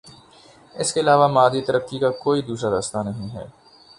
اس کے علاوہ مادی ترقی کا کوئی دوسرا راستہ نہیں ہے۔